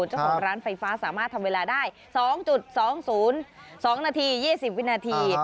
เจ้าของร้านไฟฟ้าสามารถทำเวลาได้๒๒๐๒นาที๒๐วินาที